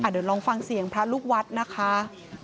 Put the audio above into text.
เดี๋ยวลองฟังเสียงพระลูกวัดนะคะ